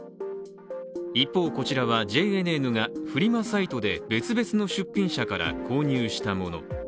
一方こちらは、ＪＮＮがフリマサイトで別々の出品者から購入したもの。